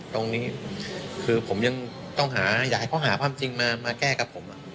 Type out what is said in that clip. ตรงนี้คือผมยังต้องหาอยากให้เขาหาความจริงมาแก้กับผม